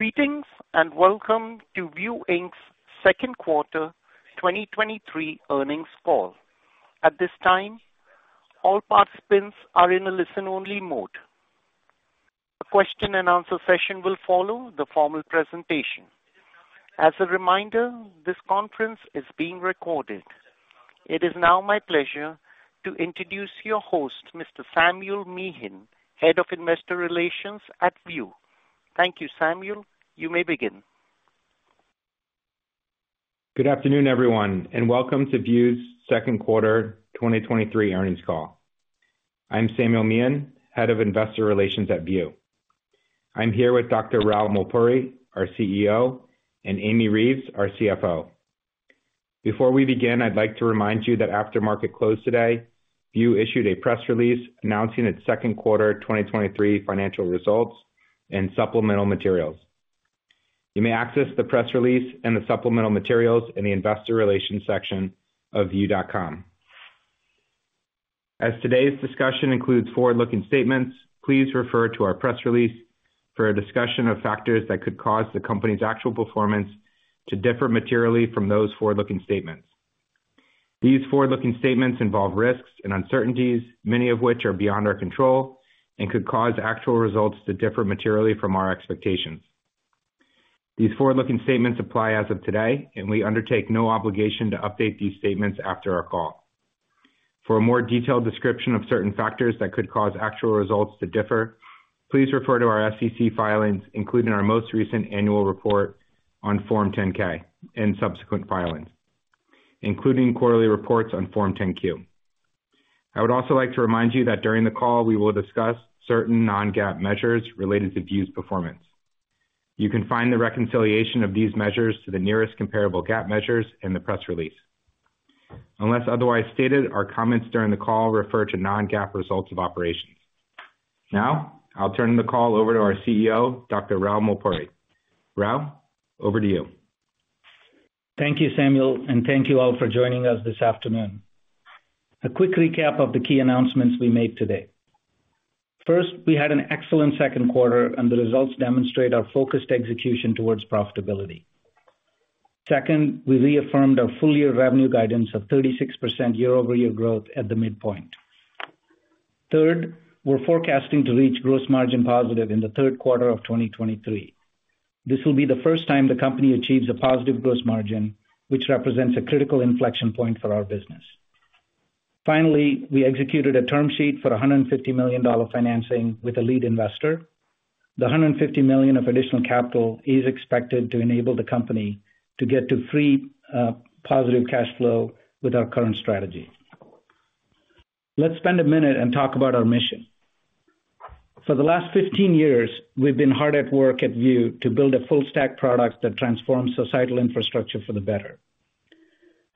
Greetings, and welcome to View Inc's second quarter 2023 earnings call. At this time, all participants are in a listen-only mode. A question and answer session will follow the formal presentation. As a reminder, this conference is being recorded. It is now my pleasure to introduce your host, Mr. Samuel Meehan, Head of Investor Relations at View. Thank you, Samuel. You may begin. Good afternoon, everyone, and welcome to View's 2nd quarter 2023 earnings call. I'm Samuel Meehan, Head of Investor Relations at View. I'm here with Dr. Rao Mulpuri, our CEO, and Amy Reeves, our CFO. Before we begin, I'd like to remind you that after market close today, View issued a press release announcing its 2nd quarter 2023 financial results and supplemental materials. You may access the press release and the supplemental materials in the investor relations section of view.com. As today's discussion includes forward-looking statements, please refer to our press release for a discussion of factors that could cause the company's actual performance to differ materially from those forward-looking statements. These forward-looking statements involve risks and uncertainties, many of which are beyond our control, and could cause actual results to differ materially from our expectations. These forward-looking statements apply as of today, and we undertake no obligation to update these statements after our call. For a more detailed description of certain factors that could cause actual results to differ, please refer to our SEC filings, including our most recent annual report on Form 10-K and subsequent filings, including quarterly reports on Form 10-Q. I would also like to remind you that during the call, we will discuss certain non-GAAP measures related to View's performance. You can find the reconciliation of these measures to the nearest comparable GAAP measures in the press release. Unless otherwise stated, our comments during the call refer to non-GAAP results of operations. Now, I'll turn the call over to our CEO, Dr. Rao Mulpuri. Rao, over to you. Thank you, Samuel, and thank you all for joining us this afternoon. A quick recap of the key announcements we made today. First, we had an excellent second quarter, and the results demonstrate our focused execution towards profitability. Second, we reaffirmed our full-year revenue guidance of 36% year-over-year growth at the midpoint. Third, we're forecasting to reach gross margin positive in the third quarter of 2023. This will be the first time the company achieves a positive gross margin, which represents a critical inflection point for our business. Finally, we executed a term sheet for a $150 million financing with a lead investor. The $150 million of additional capital is expected to enable the company to get to free, positive cash flow with our current strategy. Let's spend a minute and talk about our mission. For the last 15 years, we've been hard at work at View to build a full stack product that transforms societal infrastructure for the better.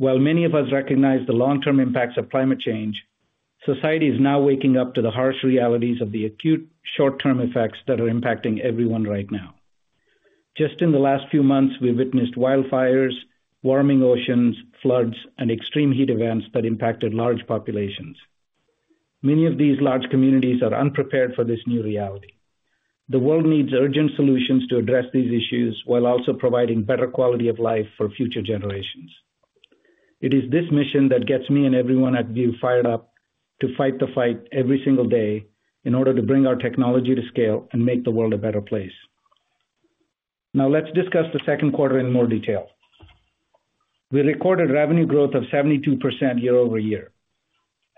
While many of us recognize the long-term impacts of climate change, society is now waking up to the harsh realities of the acute short-term effects that are impacting everyone right now. Just in the last few months, we've witnessed wildfires, warming oceans, floods, and extreme heat events that impacted large populations. Many of these large communities are unprepared for this new reality. The world needs urgent solutions to address these issues, while also providing better quality of life for future generations. It is this mission that gets me and everyone at View fired up to fight the fight every single day in order to bring our technology to scale and make the world a better place. Now, let's discuss the second quarter in more detail. We recorded revenue growth of 72% year-over-year.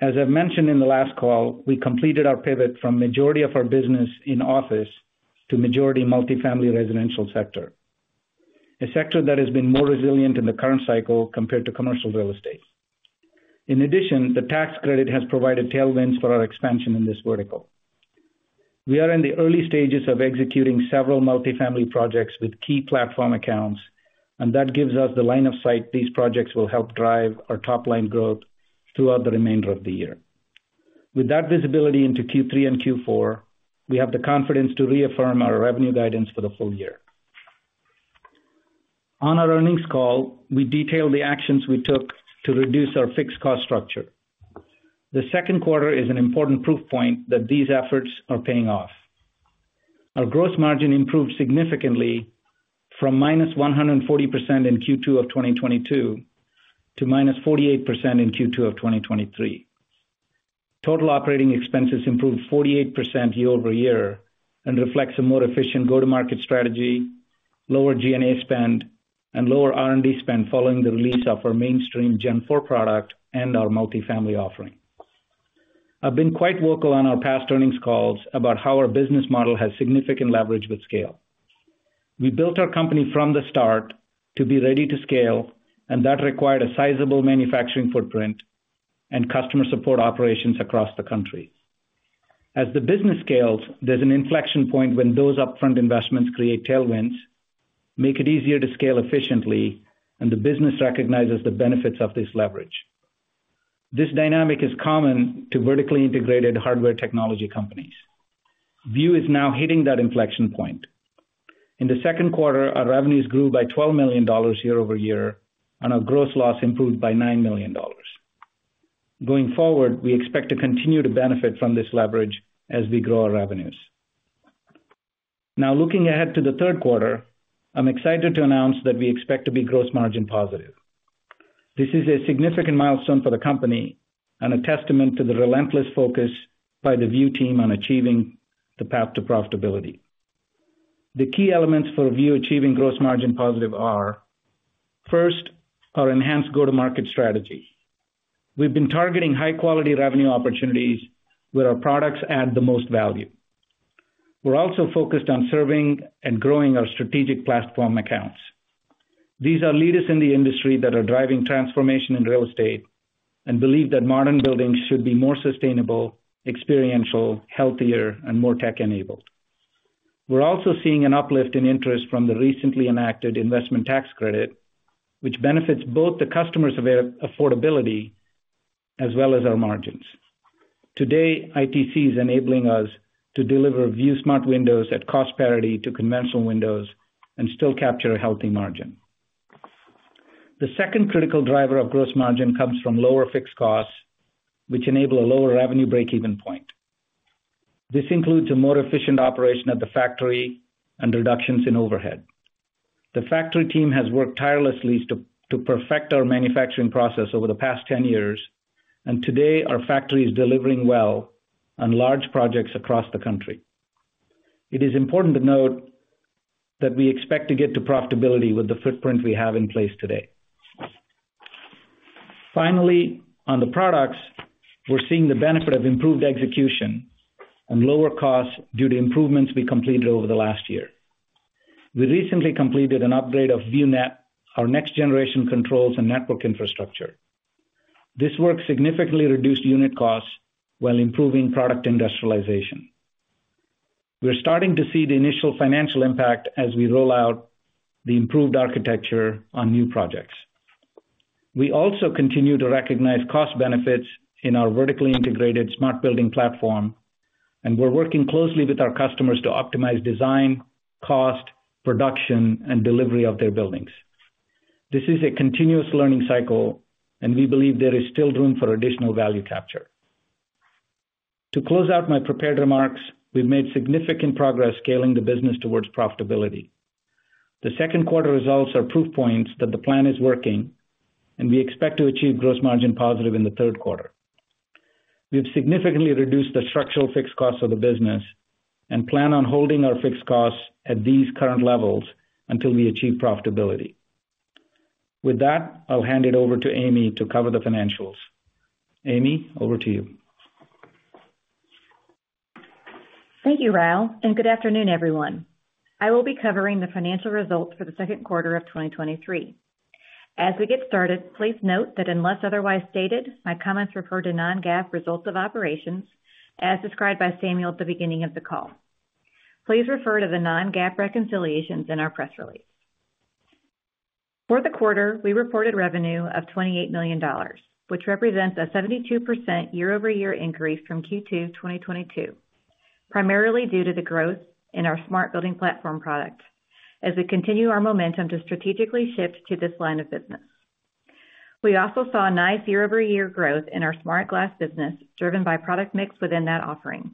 As I've mentioned in the last call, we completed our pivot from majority of our business in office to majority multifamily residential sector, a sector that has been more resilient in the current cycle compared to commercial real estate. In addition, the tax credit has provided tailwinds for our expansion in this vertical. We are in the early stages of executing several multifamily projects with key platform accounts, that gives us the line of sight these projects will help drive our top-line growth throughout the remainder of the year. With that visibility into Q3 and Q4, we have the confidence to reaffirm our revenue guidance for the full year. On our earnings call, we detailed the actions we took to reduce our fixed cost structure. The second quarter is an important proof point that these efforts are paying off. Our gross margin improved significantly from minus 140% in Q2 of 2022 to minus 48% in Q2 of 2023. Total operating expenses improved 48% year-over-year and reflects a more efficient go-to-market strategy, lower G&A spend, and lower R&D spend following the release of our mainstream Gen 4 product and our multifamily offering. I've been quite vocal on our past earnings calls about how our business model has significant leverage with scale. We built our company from the start to be ready to scale, and that required a sizable manufacturing footprint and customer support operations across the country. As the business scales, there's an inflection point when those upfront investments create tailwinds, make it easier to scale efficiently, and the business recognizes the benefits of this leverage. This dynamic is common to vertically integrated hardware technology companies. View is now hitting that inflection point. In the second quarter, our revenues grew by $12 million year-over-year, and our gross loss improved by $9 million. Going forward, we expect to continue to benefit from this leverage as we grow our revenues. Now, looking ahead to the third quarter, I'm excited to announce that we expect to be gross margin positive. This is a significant milestone for the company and a testament to the relentless focus by the View team on achieving the path to profitability. The key elements for View achieving gross margin positive are, first, our enhanced go-to-market strategy. We've been targeting high-quality revenue opportunities where our products add the most value. We're also focused on serving and growing our strategic platform accounts. These are leaders in the industry that are driving transformation in real estate, believe that modern buildings should be more sustainable, experiential, healthier, and more tech-enabled. We're also seeing an uplift in interest from the recently enacted Investment Tax Credit, which benefits both the customers of affordability as well as our margins. Today, ITC is enabling us to deliver View Smart Windows at cost parity to conventional windows and still capture a healthy margin. The second critical driver of gross margin comes from lower fixed costs, which enable a lower revenue break-even point. This includes a more efficient operation at the factory and reductions in overhead. The factory team has worked tirelessly to perfect our manufacturing process over the past 10 years, today, our factory is delivering well on large projects across the country. It is important to note that we expect to get to profitability with the footprint we have in place today. Finally, on the products, we're seeing the benefit of improved execution and lower costs due to improvements we completed over the last year. We recently completed an upgrade of View Net, our next generation controls and network infrastructure. This work significantly reduced unit costs while improving product industrialization. We're starting to see the initial financial impact as we roll out the improved architecture on new projects. We also continue to recognize cost benefits in our vertically integrated Smart Building Platform, and we're working closely with our customers to optimize design, cost, production, and delivery of their buildings. This is a continuous learning cycle, and we believe there is still room for additional value capture. To close out my prepared remarks, we've made significant progress scaling the business towards profitability. The second quarter results are proof points that the plan is working, and we expect to achieve gross margin positive in the third quarter. We've significantly reduced the structural fixed costs of the business and plan on holding our fixed costs at these current levels until we achieve profitability. With that, I'll hand it over to Amy to cover the financials. Amy, over to you. Thank you, Rao. Good afternoon, everyone. I will be covering the financial results for the second quarter of 2023. As we get started, please note that unless otherwise stated, my comments refer to non-GAAP results of operations, as described by Samuel at the beginning of the call. Please refer to the non-GAAP reconciliations in our press release. For the quarter, we reported revenue of $28 million, which represents a 72% year-over-year increase from Q2 2022, primarily due to the growth in our Smart Building Platform product, as we continue our momentum to strategically shift to this line of business. We also saw a nice year-over-year growth in our smart glass business, driven by product mix within that offering.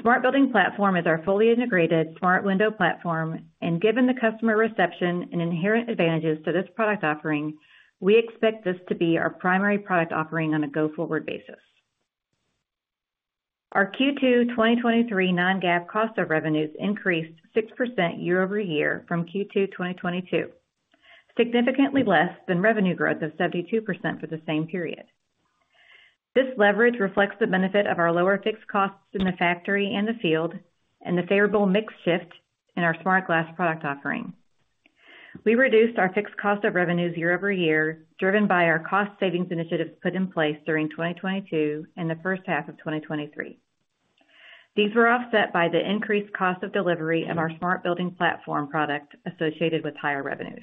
Smart Building Platform is our fully integrated smart window platform, and given the customer reception and inherent advantages to this product offering, we expect this to be our primary product offering on a go-forward basis. Our Q2 2023 Non-GAAP cost of revenues increased 6% year-over-year from Q2 2022, significantly less than revenue growth of 72% for the same period. This leverage reflects the benefit of our lower fixed costs in the factory and the field, and the favorable mix shift in our smart glass product offering. We reduced our fixed cost of revenues year-over-year, driven by our cost savings initiatives put in place during 2022 and the first half of 2023. These were offset by the increased cost of delivery of our Smart Building Platform product associated with higher revenues.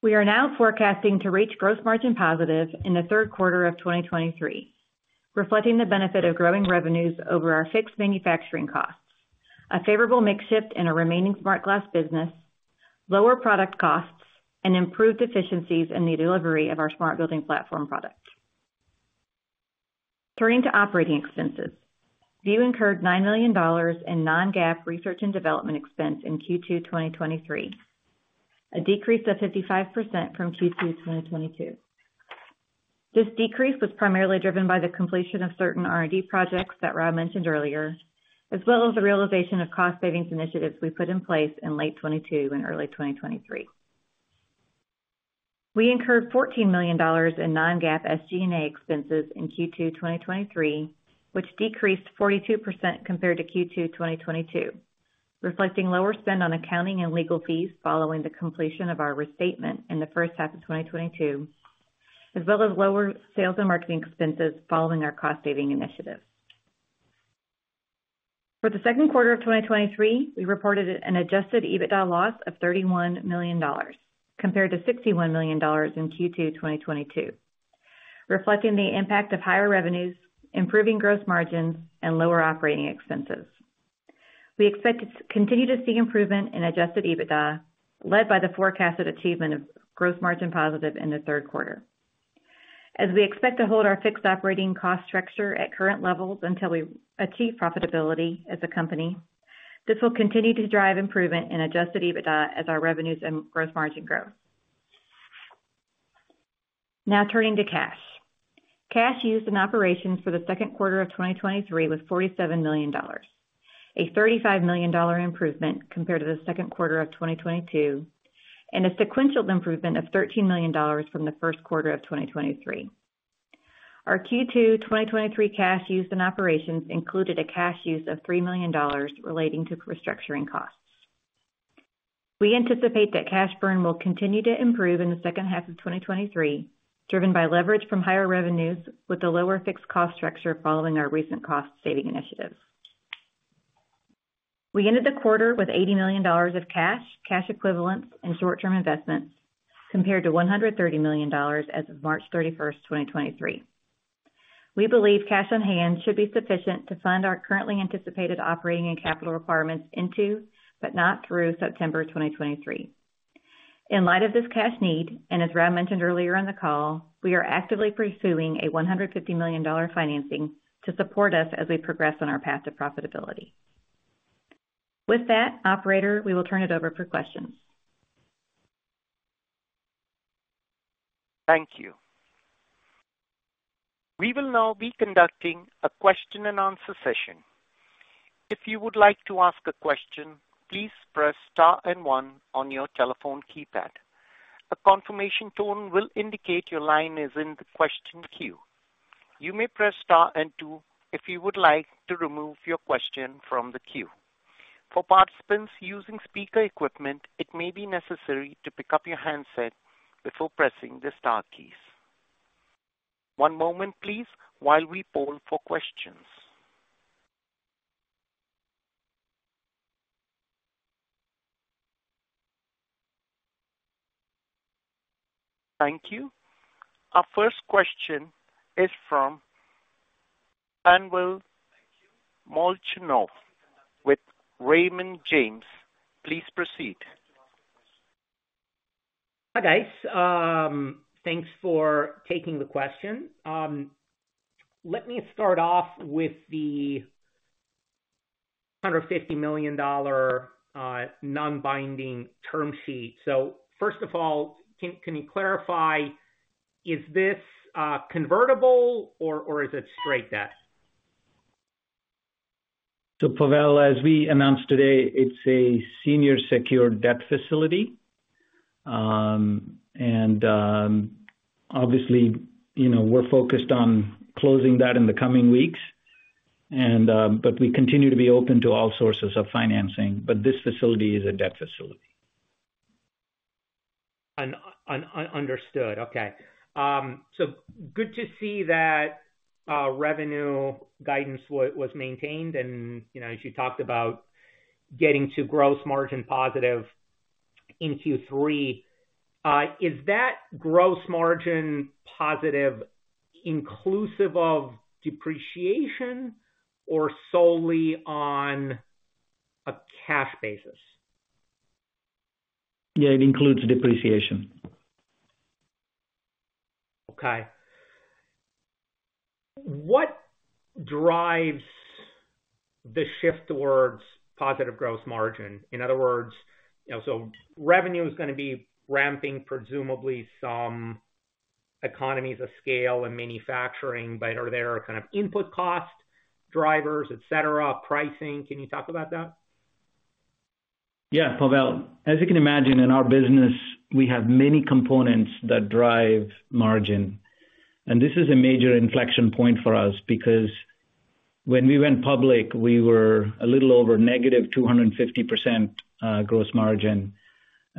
We are now forecasting to reach gross margin positive in the third quarter of 2023, reflecting the benefit of growing revenues over our fixed manufacturing costs, a favorable mix shift in our remaining smart glass business, lower product costs, and improved efficiencies in the delivery of our Smart Building Platform product. Turning to operating expenses. View incurred $9 million in Non-GAAP research and development expense in Q2 2023, a decrease of 55% from Q2 2022. This decrease was primarily driven by the completion of certain R&D projects that Rao mentioned earlier, as well as the realization of cost savings initiatives we put in place in late 2022 and early 2023. We incurred $14 million in non-GAAP SG&A expenses in Q2 2023, which decreased 42% compared to Q2 2022, reflecting lower spend on accounting and legal fees following the completion of our restatement in the first half of 2022, as well as lower sales and marketing expenses following our cost-saving initiative. For the second quarter of 2023, we reported an adjusted EBITDA loss of $31 million, compared to $61 million in Q2 2022, reflecting the impact of higher revenues, improving gross margins, and lower operating expenses. We expect to continue to see improvement in adjusted EBITDA, led by the forecasted achievement of gross margin positive in the third quarter. As we expect to hold our fixed operating cost structure at current levels until we achieve profitability as a company, this will continue to drive improvement in adjusted EBITDA as our revenues and gross margin grow. Now, turning to cash. Cash used in operations for the second quarter of 2023 was $47 million, a $35 million improvement compared to the second quarter of 2022, and a sequential improvement of $13 million from the first quarter of 2023. Our Q2 2023 cash used in operations included a cash use of $3 million relating to restructuring costs. We anticipate that cash burn will continue to improve in the second half of 2023, driven by leverage from higher revenues with a lower fixed cost structure following our recent cost-saving initiatives. We ended the quarter with $80 million of cash, cash equivalents, and short-term investments, compared to $130 million as of March 31st, 2023. We believe cash on hand should be sufficient to fund our currently anticipated operating and capital requirements into, but not through, September 2023. In light of this cash need, as Rao mentioned earlier in the call, we are actively pursuing a $150 million financing to support us as we progress on our path to profitability. With that, operator, we will turn it over for questions. Thank you. We will now be conducting a question-and-answer session. If you would like to ask a question, please press star and one on your telephone keypad. A confirmation tone will indicate your line is in the question queue. You may press star and two if you would like to remove your question from the queue. For participants using speaker equipment, it may be necessary to pick up your handset before pressing the star keys. One moment please, while we poll for questions. Thank you. Our first question is from Pavel Molchanov with Raymond James. Please proceed. Hi, guys. thanks for taking the question. let me start off with the $150 million non-binding term sheet. First of all, can, can you clarify, is this convertible or, or is it straight debt? Pavel, as we announced today, it's a senior secured debt facility. Obviously, you know, we're focused on closing that in the coming weeks, but we continue to be open to all sources of financing, but this facility is a debt facility. Understood. Okay. Good to see that revenue guidance was maintained and, you know, as you talked about getting to gross margin positive in Q3, is that gross margin positive inclusive of depreciation or solely on a cash basis? Yeah, it includes depreciation. Okay. What drives the shift towards positive gross margin? In other words, you know, revenue is going to be ramping, presumably some economies of scale and manufacturing. Are there kind of input cost, drivers, et cetera, pricing? Can you talk about that? Yeah, Pavel, as you can imagine, in our business, we have many components that drive margin. This is a major inflection point for us because when we went public, we were a little over negative 250% gross margin.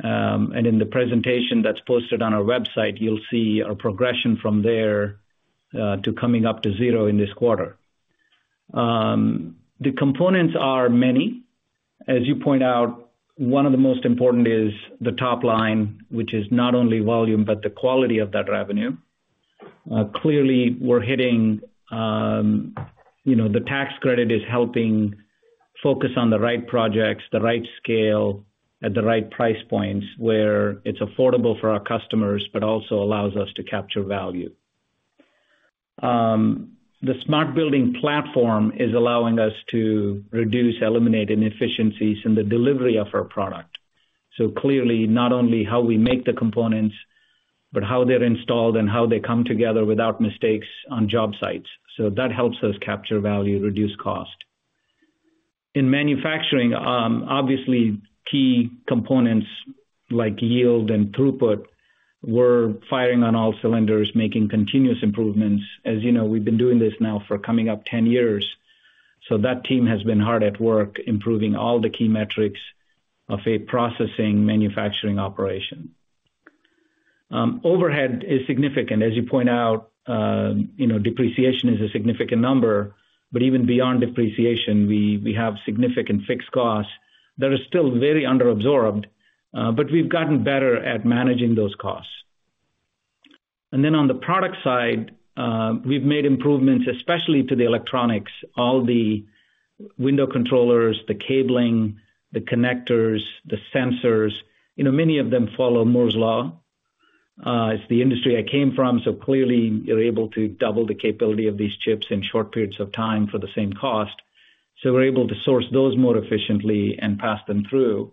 In the presentation that's posted on our website, you'll see a progression from there to coming up to zero in this quarter. The components are many. As you point out, one of the most important is the top line, which is not only volume, but the quality of that revenue. Clearly, we're hitting, you know, the tax credit is helping focus on the right projects, the right scale, at the right price points, where it's affordable for our customers, but also allows us to capture value. The Smart Building Platform is allowing us to reduce, eliminate inefficiencies in the delivery of our product. Clearly, not only how we make the components, but how they're installed and how they come together without mistakes on job sites. That helps us capture value, reduce cost. In manufacturing, obviously, key components like yield and throughput, we're firing on all cylinders, making continuous improvements. As you know, we've been doing this now for coming up 10 years, so that team has been hard at work, improving all the key metrics of a processing manufacturing operation. Overhead is significant. As you point out, you know, depreciation is a significant number, but even beyond depreciation, we, we have significant fixed costs that are still very under-absorbed, but we've gotten better at managing those costs. On the product side, we've made improvements, especially to the electronics. All the window controllers, the cabling, the connectors, the sensors, you know, many of them follow Moore's Law. It's the industry I came from, so clearly you're able to double the capability of these chips in short periods of time for the same cost. We're able to source those more efficiently and pass them through,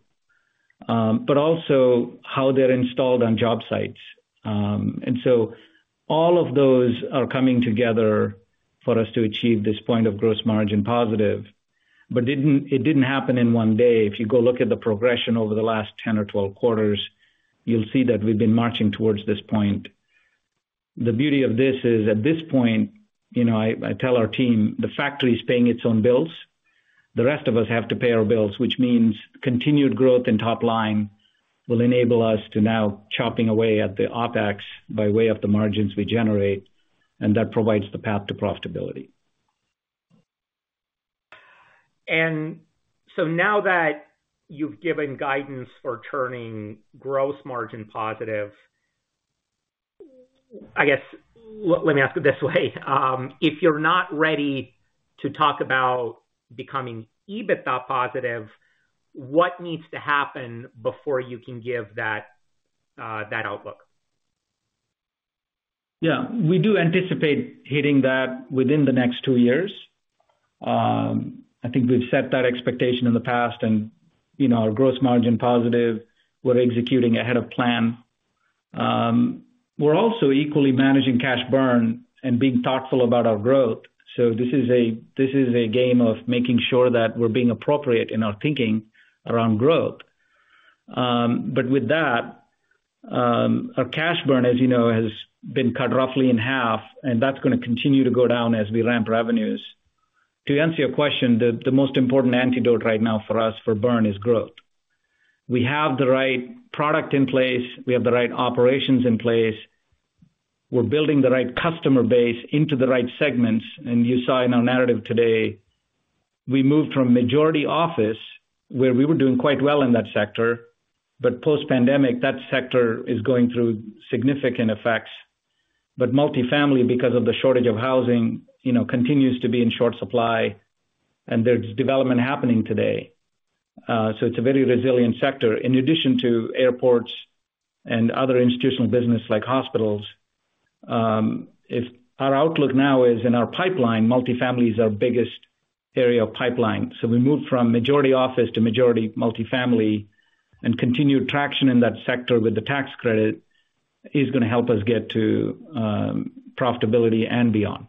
also how they're installed on job sites. All of those are coming together for us to achieve this point of gross margin positive. It didn't happen in one day. If you go look at the progression over the last 10 or 12 quarters, you'll see that we've been marching towards this point. The beauty of this is, at this point, you know, I, I tell our team, the factory is paying its own bills. The rest of us have to pay our bills, which means continued growth in top line will enable us to now chopping away at the OpEx by way of the margins we generate, and that provides the path to profitability. Now that you've given guidance for turning gross margin positive, I guess, let me ask it this way. If you're not ready to talk about becoming EBITDA positive, what needs to happen before you can give that outlook? Yeah, we do anticipate hitting that within the next 2 years. I think we've set that expectation in the past, and, you know, our gross margin positive, we're executing ahead of plan. We're also equally managing cash burn and being thoughtful about our growth. This is a, this is a game of making sure that we're being appropriate in our thinking around growth. With that, our cash burn, as you know, has been cut roughly in half, and that's gonna continue to go down as we ramp revenues. To answer your question, the, the most important antidote right now for us, for burn, is growth. We have the right product in place. We have the right operations in place. We're building the right customer base into the right segments. You saw in our narrative today, we moved from majority office, where we were doing quite well in that sector, but post-pandemic, that sector is going through significant effects. Multifamily, because of the shortage of housing, you know, continues to be in short supply, and there's development happening today. It's a very resilient sector. In addition to airports and other institutional business, like hospitals, if our outlook now is in our pipeline, multifamily is our biggest area of pipeline. We moved from majority office to majority multifamily, and continued traction in that sector with the tax credit is gonna help us get to profitability and beyond.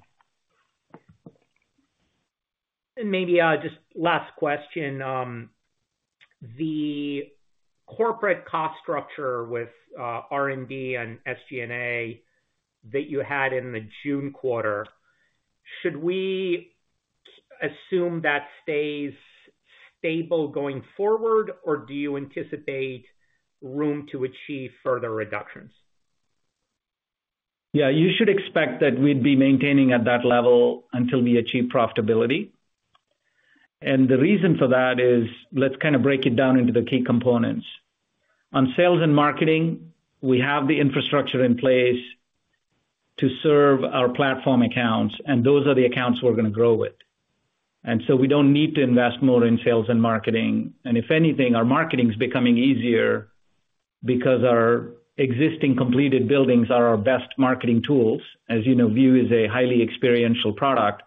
Maybe, just last question. The corporate cost structure with R&D and SG&A that you had in the June quarter, should we assume that stays stable going forward, or do you anticipate room to achieve further reductions? Yeah, you should expect that we'd be maintaining at that level until we achieve profitability. The reason for that is, let's kind of break it down into the key components. On sales and marketing, we have the infrastructure in place to serve our Platform accounts, and those are the accounts we're gonna grow with. So we don't need to invest more in sales and marketing, and if anything, our marketing is becoming easier because our existing completed buildings are our best marketing tools. As you know, View is a highly experiential product.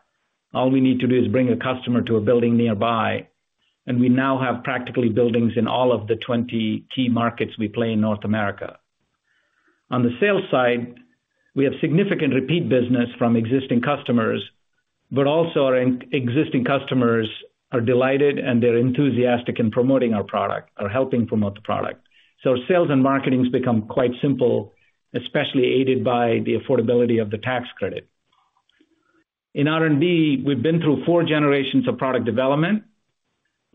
All we need to do is bring a customer to a building nearby, and we now have practically buildings in all of the 20 key markets we play in North America. On the sales side, we have significant repeat business from existing customers, also our existing customers are delighted, and they're enthusiastic in promoting our product, or helping promote the product. Sales and marketing has become quite simple, especially aided by the affordability of the tax credit. In R&D, we've been through 4 generations of product development.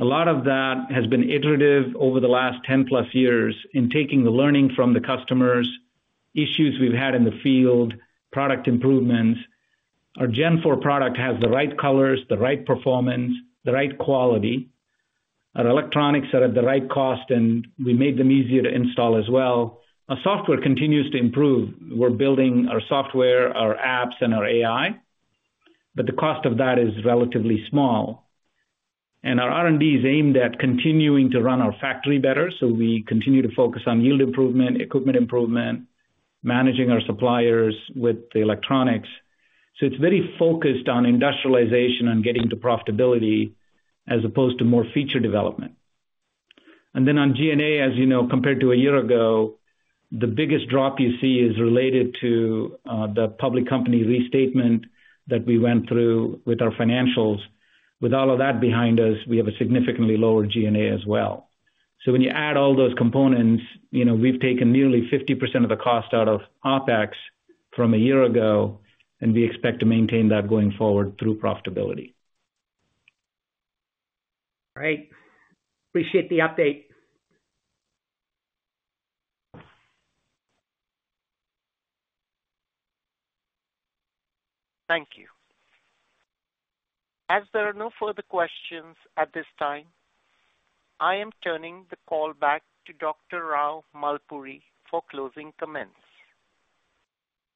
A lot of that has been iterative over the last 10+ years in taking the learning from the customers, issues we've had in the field, product improvements. Our Gen 4 product has the right colors, the right performance, the right quality. Our electronics are at the right cost, and we made them easier to install as well. Our software continues to improve. We're building our software, our apps, and our AI, the cost of that is relatively small. Our R&D is aimed at continuing to run our factory better, so we continue to focus on yield improvement, equipment improvement, managing our suppliers with the electronics. It's very focused on industrialization and getting to profitability as opposed to more feature development. On G&A, as you know, compared to a year ago, the biggest drop you see is related to the public company restatement that we went through with our financials. With all of that behind us, we have a significantly lower G&A as well. When you add all those components, you know, we've taken nearly 50% of the cost out of OpEx from a year ago, and we expect to maintain that going forward through profitability. All right. Appreciate the update. Thank you. As there are no further questions at this time, I am turning the call back to Dr. Rao Mulpuri for closing comments.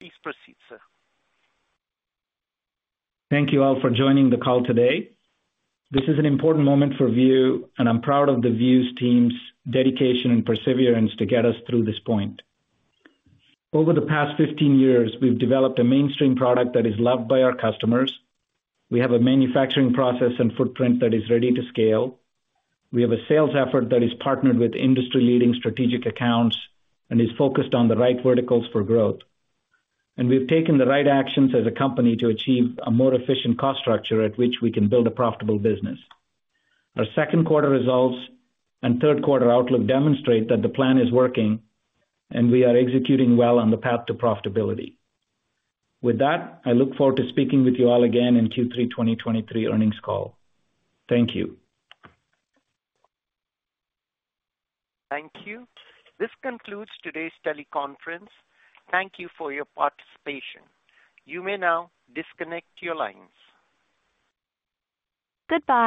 Please proceed, sir. Thank you all for joining the call today. This is an important moment for View, and I'm proud of the View's team's dedication and perseverance to get us through this point. Over the past 15 years, we've developed a mainstream product that is loved by our customers. We have a manufacturing process and footprint that is ready to scale. We have a sales effort that is partnered with industry-leading strategic accounts and is focused on the right verticals for growth. We've taken the right actions as a company to achieve a more efficient cost structure at which we can build a profitable business. Our 2nd quarter results and 3rd quarter outlook demonstrate that the plan is working, and we are executing well on the path to profitability. With that, I look forward to speaking with you all again in Q3 2023 earnings call. Thank you. Thank you. This concludes today's teleconference. Thank you for your participation. You may now disconnect your lines. Goodbye.